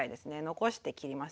残して切りますね。